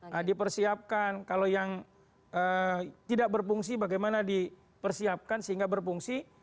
nah dipersiapkan kalau yang tidak berfungsi bagaimana dipersiapkan sehingga berfungsi